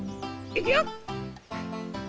いくよ！